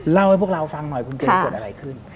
เล่าให้พวกเราฟังหน่อยคุณเกมเกิดอะไรขึ้น